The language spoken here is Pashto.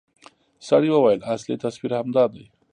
سړي وويل اصلي تصوير همدا دى.